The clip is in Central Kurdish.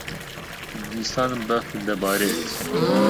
دیسان بەفر دەبارێت.